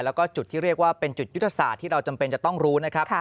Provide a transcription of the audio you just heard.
แล้วก็จุดที่เรียกว่าเป็นจุดยุทธศาสตร์ที่เราจำเป็นจะต้องรู้นะครับ